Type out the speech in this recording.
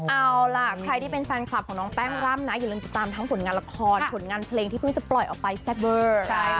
เอาล่ะใครที่เป็นแฟนคลับของน้องแป้งร่ำนะอย่าลืมติดตามทั้งผลงานละครผลงานเพลงที่เพิ่งจะปล่อยออกไปแซ่บเวอร์